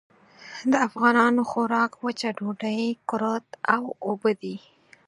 د افغانانو خوراک وچه ډوډۍ، کُرت او اوبه دي.